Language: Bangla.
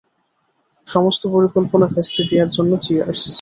সমস্ত পরিকল্পনা ভেস্তে দেওয়ার জন্য চিয়ার্স।